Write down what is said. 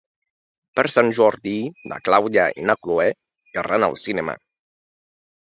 Per Sant Jordi na Clàudia i na Cloè iran al cinema.